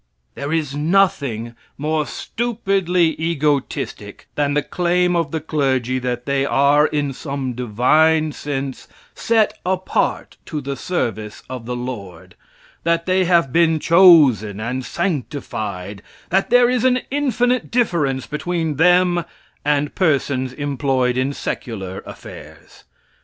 There is nothing more stupidly egotistic than the claim of the clergy that they are, in some divine sense, set apart to the service of the Lord; that they have been chosen and sanctified; that there is an infinite difference between them and persons employed in secular affairs.